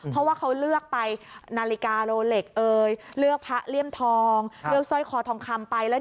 เพราะว่าเขาเลือกไปนาฬิกาโลเล็กเลือกพระเลี่ยมทองเลือกสร้อยคอทองคำไปแล้ว